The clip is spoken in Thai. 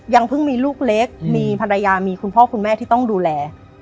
เพิ่งมีลูกเล็กมีภรรยามีคุณพ่อคุณแม่ที่ต้องดูแล